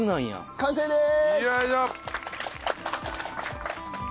完成でーす！